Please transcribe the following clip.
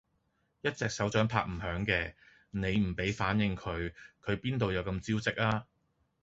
一隻手掌拍唔響嘅，你唔俾反應佢，佢邊度有咁招積呀？